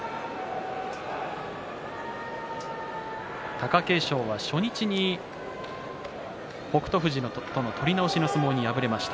貴景勝は初日に北勝富士との取り直しの相撲に敗れました。